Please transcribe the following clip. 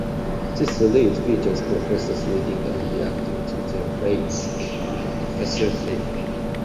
The series features professors reading and reacting to their Rate My Professors ratings.